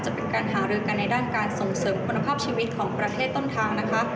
จะเป็นการหารือกันในด้านการส่งเสริมคุณภาพชีวิตของประเทศต้นทางนะคะ